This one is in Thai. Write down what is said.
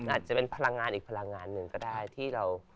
อาจจะเป็นพลังงานอีกพลังงานหนึ่งก็ได้ที่เรา